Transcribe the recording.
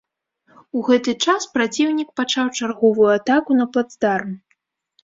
У гэты час праціўнік пачаў чарговую атаку на плацдарм.